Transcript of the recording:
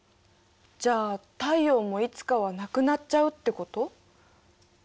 じゃあ太陽もいつかはなくなっちゃうってこと？